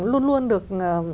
luôn luôn được